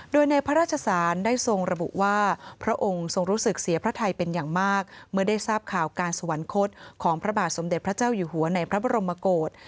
โดยในพระราชสารได้ทรงระบุว่าพระองค์ทรงรู้สึกเสียพระไทยเป็นอย่างมากเมื่อได้ทราบข่าวการสวรรคตของพระบาทสมเด็จพระเจ้าอยู่หัวในพระบรมโกศ